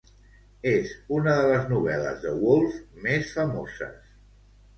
És una de les novel·les de Woolf més famoses.